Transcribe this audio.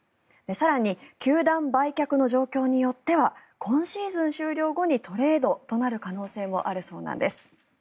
更に、球団売却の状況によっては今シーズン終了後にトレードとなる可能性もあるそうなんです。